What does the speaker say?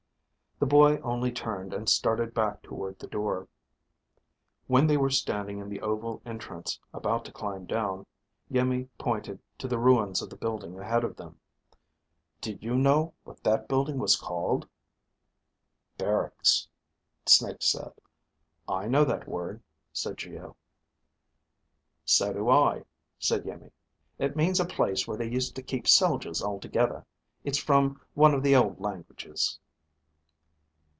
The boy only turned and started back toward the door. When they were standing in the oval entrance, about to climb down, Iimmi pointed to the ruins of the building ahead of them. "Do you know what that building was called?" Barracks, Snake said. "I know that word," said Geo. "So do I," said Iimmi. "It means a place where they used to keep soldiers all together. It's from one of the old languages."